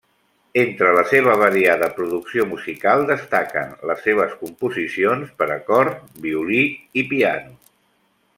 Entre la seva variada producció musical destaquen les seves composicions per a cor, violí piano.